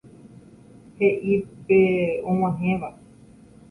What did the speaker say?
He'i pe og̃uahẽva.